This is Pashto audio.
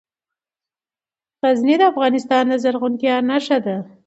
غزني د افغانستان د زرغونتیا نښه ده.